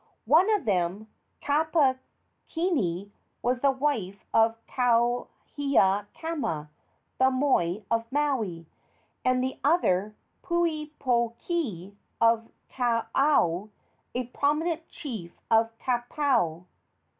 One of them, Kapukini, was the wife of Kauhiakama, the moi of Maui; and the other, Pueopokii, of Kaaoao, a prominent chief of Kaupo.